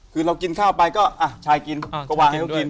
คือเรากินข้าวไปก็ชายกินก็วางให้เขากิน